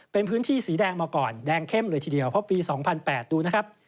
เป็นพื้นที่สีแดงมาก่อนแดงเข้มเลยทีเดียวเพราะปี๒๐๐๘ดูนะครับ